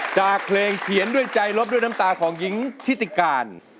จากเพลงเขียนด้วยใจลบด้วยน้ำตาของหญิงทิติการ